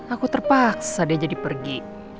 aku terpaksa dia jadi pergi